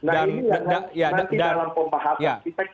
nah ini nanti dalam pembahasan kita kita sepakatnya berjalan ini